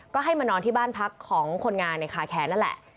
ก็ให้มานอนที่บ้านพักของคนงานในคาแคร์นั่นแหละ